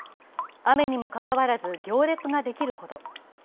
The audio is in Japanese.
雨にもかかわらず、行列ができるほど。